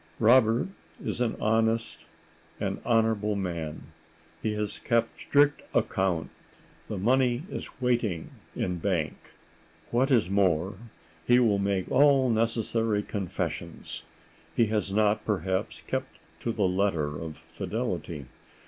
Robert is an honest, an honorable man. He has kept a strict account; the money is waiting in bank. What is more, he will make all necessary confessions. He has not, perhaps, kept to the letter of fidelity.